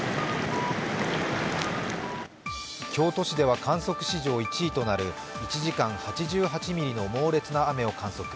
京都市では観測史上１位となる１時間８８ミリの猛烈な雨を観測。